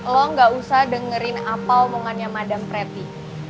lo gak usah dengerin apa omongannya madam pretty